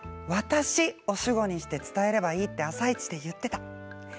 私を主語にして伝えればいいって「あさイチ」で言っていた。